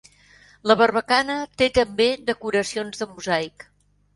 La barbacana té també decoracions de mosaic.